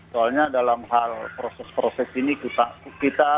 soalnya dalam hal proses proses ini kita